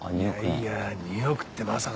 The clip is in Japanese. いやいや２億ってまさかだろ。